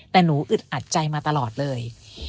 แต่หนูอึดอัดใจมาตลอดเลย